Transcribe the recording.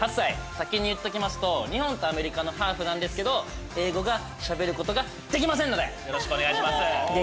先に言っときますと日本とアメリカのハーフなんですけど英語がしゃべる事ができませんのでよろしくお願いします！